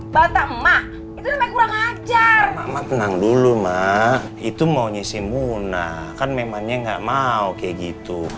bantah emak itu kurang ajar tenang dulu mah itu maunya si muna kan memangnya nggak mau kayak gitu